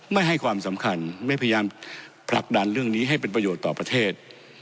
ไม่ให้ความสำคัญไม่พยายามผลักดันเรื่องนี้ให้เป็นประโยชน์ต่อประเทศ